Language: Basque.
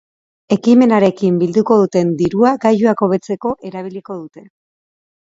Ekimenarekin bilduko duten dirua gailuak hobetzeko erabiliko dute.